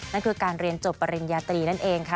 นั่นคือการเรียนจบปริญญาตรีนั่นเองค่ะ